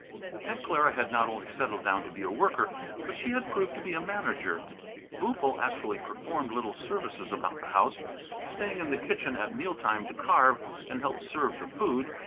Aunt Clara had not only settled down to be a worker, but she had proved to be a manager. Boo'ful actually performed little services about the house, staying in the kitchen at meal time to carve and help serve the food.